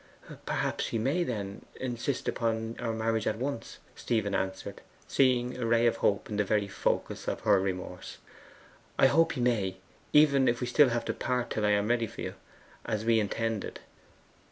'Perhaps he may, then, insist upon our marriage at once!' Stephen answered, seeing a ray of hope in the very focus of her remorse. 'I hope he may, even if we had still to part till I am ready for you, as we intended.